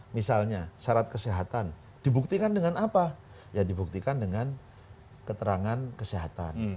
misalnya syarat kesehatan dibuktikan dengan apa ya dibuktikan dengan keterangan kesehatan